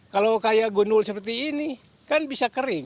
kalau kayak gunung seperti ini kan bisa kering